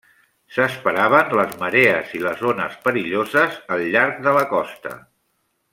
S'esperaven les marees i les ones perilloses al llarg de la costa.